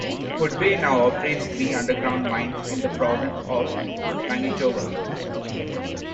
Hudbay now operates three underground mines in the province of Manitoba.